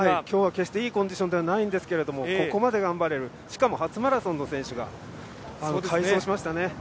今日は決していいコンディションではないんですがここまで頑張れる、しかも初マラソンの選手が快走しましたね。